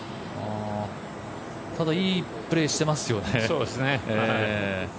ただ、いいプレーしてますよね。